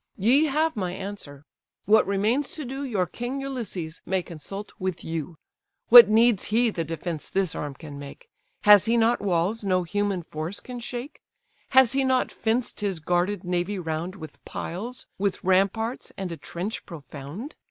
Ye have my answer—what remains to do, Your king, Ulysses, may consult with you. What needs he the defence this arm can make? Has he not walls no human force can shake? Has he not fenced his guarded navy round With piles, with ramparts, and a trench profound?